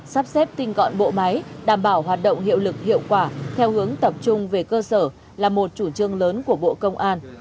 sắp xếp tinh gọn bộ máy đảm bảo hoạt động hiệu lực hiệu quả theo hướng tập trung về cơ sở là một chủ trương lớn của bộ công an